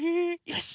よし！